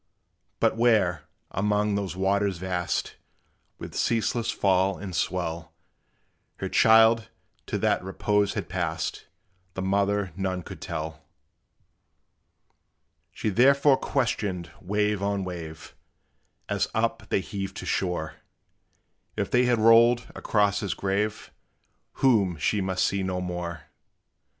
But where, among those waters vast, With ceaseless fall and swell, Her child to that repose had passed, The mother none could tell. She therefore questioned wave on wave, As up they heaved to shore, If they had rolled across his grave, Whom she must see no more.